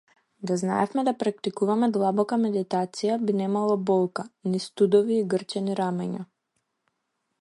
Да знаевме да практикуваме длабока медитација, би немало болка, ни студови и згрчени рамења.